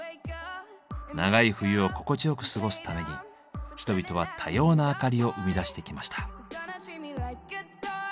長い冬を心地よく過ごすために人々は多様な明かりを生み出してきました。